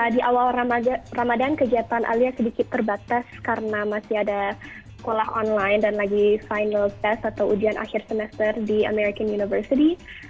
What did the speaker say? di awal ramadan kegiatan alia sedikit terbatas karena masih ada sekolah online dan lagi final test atau ujian akhir semester di american university